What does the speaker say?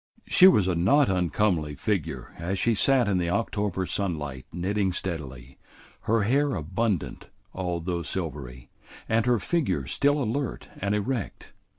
She was a not uncomely figure as she sat in the October sunlight knitting steadily, her hair abundant although silvery, and her figure still alert and erect.